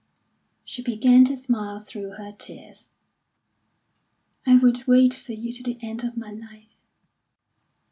She began to smile through her tears. "I would wait for you to the end of my life."